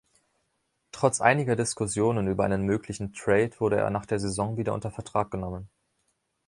Trotz einiger Diskussionen über einen möglichen Trade wurde er nach der Saison wieder unter Vertrag genommen.